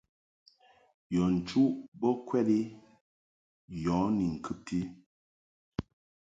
Yɔ nchuʼ bo kwɛd i yɔ ni ŋkɨbti.